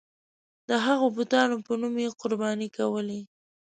د هغو بتانو په نوم یې قرباني کولې.